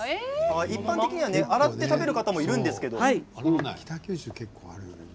一般的には洗って食べる方もいるんですけれども。